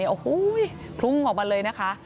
โอ้โหคลุ้งออกมาเลยนะคะ